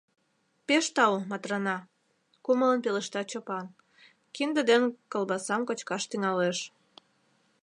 Пеш тау, Матрана! — кумылын пелешта Чопан, кинде ден колбасам кочкаш тӱҥалеш.